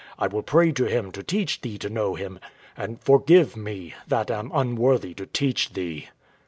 I will pray to Him to teach thee to know Him, and forgive me, that am unworthy to teach thee.